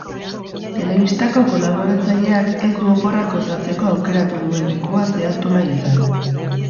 Telebistako kolaboratzaileak ez du oporrak gozatzeko aukeratu duen ekua zehaztu nahi izan.